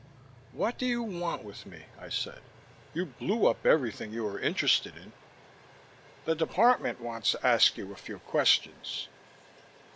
"What do you want with me?" I said. "You blew up everything you were interested in." "The Department wants to ask you a few questions."